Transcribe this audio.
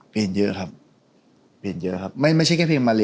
เปลี่ยนเยอะครับเปลี่ยนเยอะครับไม่ใช่แค่เพลงมาเล